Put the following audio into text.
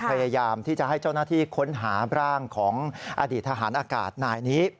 พยายามที่จะให้เจ้าหน้าที่ค้นหาร่างของอดีตทหารอากาศนายนี้